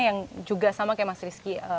yang juga sama kayak mas rizky